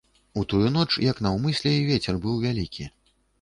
У тую ноч як наўмысля і вецер быў вялікі.